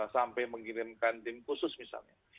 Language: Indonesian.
sampai mengirimkan tim khusus misalnya